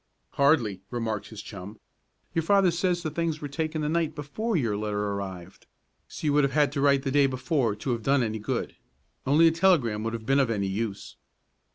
"Hardly," remarked his chum. "Your father says the things were taken the night before your letter arrived, so you would have had to write the day before to have done any good. Only a telegram would have been of any use."